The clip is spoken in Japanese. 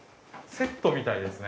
セットみたいですね